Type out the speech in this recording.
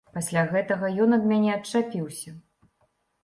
Пасля гэтага ён ад мяне адчапіўся.